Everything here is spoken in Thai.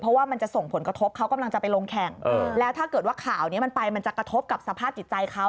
เพราะว่ามันจะส่งผลกระทบเขากำลังจะไปลงแข่งแล้วถ้าเกิดว่าข่าวนี้มันไปมันจะกระทบกับสภาพจิตใจเขา